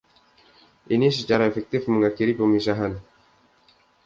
Ini secara efektif mengakhiri pemisahan.